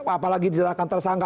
apalagi tidak akan tersangka